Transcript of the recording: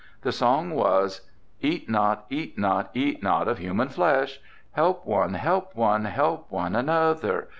The song was: "Eat not, eat not, eat not of human flesh." "Help one, help one, help one another."